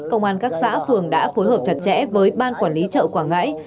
công an các xã phường đã phối hợp chặt chẽ với ban quản lý chợ quảng ngãi